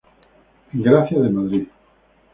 Engracia de Madrid.